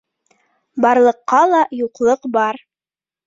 Барлыҡҡа ла юҡлыҡ бар.